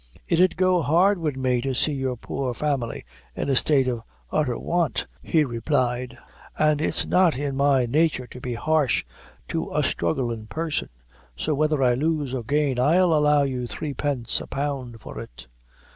"It 'ud go hard wid me to see your poor family in a state of outther want," he replied, "an' it's not in my nature to be harsh to a struggling person so whether I lose or gain, I'll allow you three pence a pound for it."